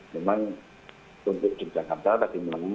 cuman untuk jogja kampung tadi melalui